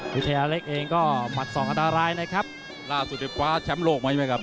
วิทยาเล็กเองก็หมัดสองอันตรายนะครับล่าสุดไปคว้าแชมป์โลกมาใช่ไหมครับ